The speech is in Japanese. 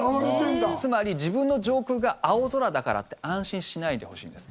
つまり自分の上空が青空だからって安心しないでほしいんです。